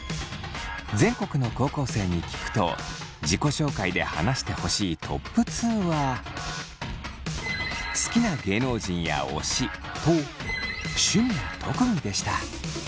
全国の高校生に聞くと自己紹介で話してほしいトップ２は「好きな芸能人や推し」と「趣味や特技」でした。